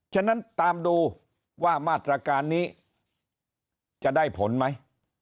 ฉะนั้นตามดูว่ามาตรการนี้จะได้ผลไหม